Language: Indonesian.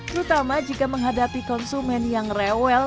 terutama jika menghadapi konsumen yang rewel